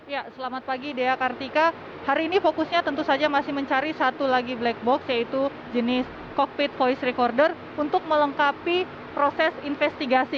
ya selamat pagi dea kartika hari ini fokusnya tentu saja masih mencari satu lagi black box yaitu jenis cockpit voice recorder untuk melengkapi proses investigasi